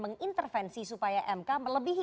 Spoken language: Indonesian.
mengintervensi supaya mk melebihi